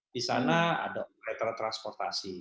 di sana ada operator transportasi